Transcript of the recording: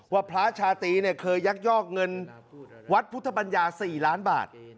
ว่าพระชาตรีเคยยักยอกเงินวัดพุทธปัญญา๔ล้านบาท